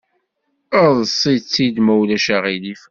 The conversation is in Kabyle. Eḍs‑itt-id ma ulac aɣilif!